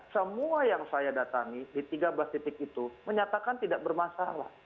semua yang saya datangi di tiga belas titik itu menyatakan tidak bermasalah